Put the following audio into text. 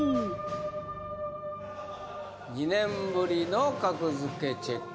２年ぶりの格付けチェック！